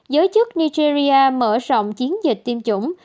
giới chức nigeria mở rộng chiến dịch tiêm chủng